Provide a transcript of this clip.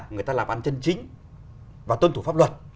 người ta là bản chân chính và tôn thủ pháp luật